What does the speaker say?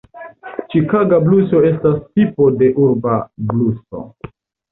Ĉikaga bluso estas tipo de urba bluso.